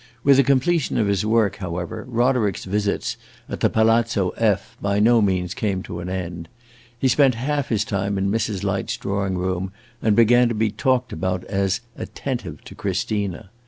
With the completion of his work, however, Roderick's visits at the Palazzo F by no means came to an end. He spent half his time in Mrs. Light's drawing room, and began to be talked about as "attentive" to Christina.